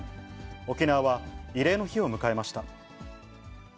沖縄は慰霊の日を迎えました。